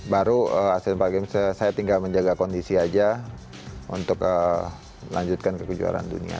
baru asean para games saya tinggal menjaga kondisi aja untuk lanjutkan ke kejuaraan dunia